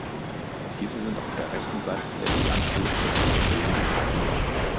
Diese sind auf der rechten Seite der Bilanz gelistet und bilden die Passiva.